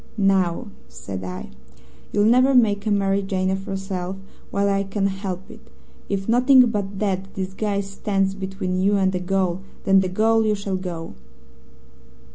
'Now,' said I, 'you'll never make a Mary Jane of yourself while I can help it. If nothing but that disguise stands between you and a gaol, then to gaol you shall go.'